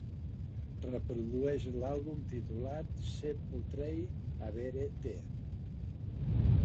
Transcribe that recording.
Reprodueix l'àlbum titulat Se Potrei Avere Te.